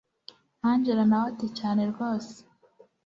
angella nawe ati cyane rwose